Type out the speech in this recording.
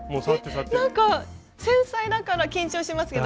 なんか繊細だから緊張しますけど。